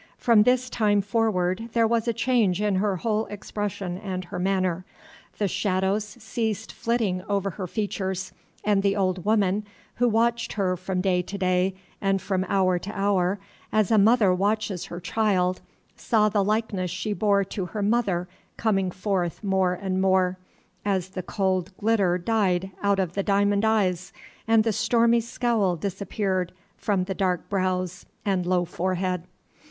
From this time forward there was a change in her whole expression and her manner. The shadows ceased flitting over her features, and the old woman, who watched her from day to day and from hour to hour as a mother watches her child, saw the likeness she bore to her mother coming forth more and more, as the cold glitter died out of the diamond eyes, and the stormy scowl disappeared from the dark brows and low forehead.